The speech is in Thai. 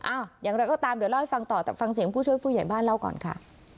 อย่างไรก็ตามเดี๋ยวเล่าให้ฟังต่อแต่ฟังเสียงผู้ช่วยผู้ใหญ่บ้านเล่าก่อนค่ะ